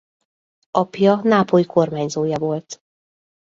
Apja Nápoly kormányzója volt.